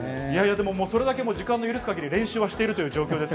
それだけ時間の許す限り、練習している状況です。